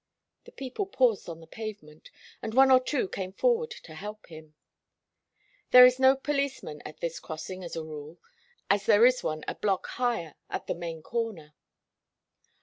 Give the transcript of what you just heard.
The people paused on the pavement, and one or two came forward to help him. There is no policeman at this crossing as a rule, as there is one a block higher, at the main corner.